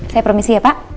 saya promisi ya pak